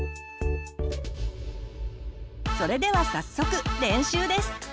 それでは早速練習です。